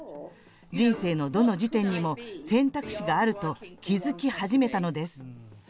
人生のどの時点にも選択肢があると気付き始めたのです。